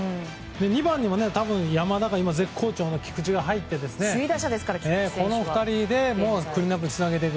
２番にも多分山田か絶好調の菊池が入ってこの２人でクリーンアップつなげていく。